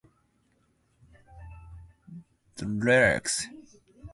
The lyrics also mention Anna Magnani, Luchino Visconti, and in some live performances Fellini.